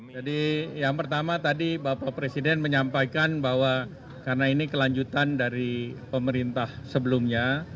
jadi yang pertama tadi bapak presiden menyampaikan bahwa karena ini kelanjutan dari pemerintah sebelumnya